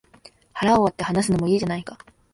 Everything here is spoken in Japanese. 腹を割って話すのもいいじゃないか